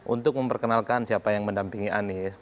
untuk memperkenalkan siapa yang mendampingi anies